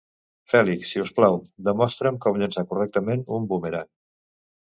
Félix, si us plau, demostra'm com llançar correctament un bumerang.